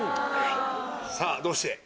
さぁどうして？